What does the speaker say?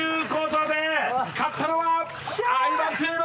勝ったのは相葉チーム！